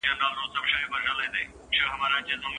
که ته لولې نو ستا عقل پخېږي.